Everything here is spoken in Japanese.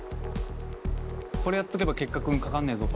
これやっとけば結核にかかんねえぞと。